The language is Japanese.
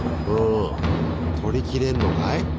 撮りきれんのかい？